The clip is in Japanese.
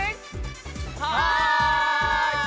はい！